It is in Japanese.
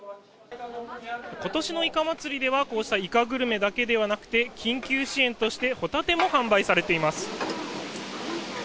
今年のイカ祭りではこうしたイカグルメだけではなくて緊急支援としてホタテも販売されています。